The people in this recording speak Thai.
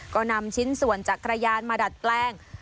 ก็นำชิ้นส่วนจักรยานมาดัดแปลง